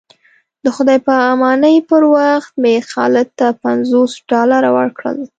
د خدای په امانۍ پر وخت مې خالد ته پنځوس ډالره ورکړل.